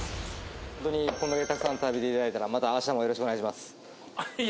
ホントにこんだけたくさん食べていただいたらまた明日もよろしくお願いしますあっいや